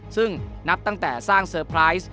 ซึ่งนับตั้งแต่สร้างเซอร์ไพรส์